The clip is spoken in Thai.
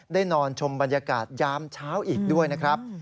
นอนชมบรรยากาศยามเช้าอีกด้วยนะครับ